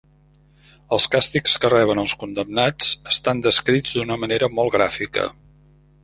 Els càstigs que reben els condemnats estan descrits d'una manera molt gràfica.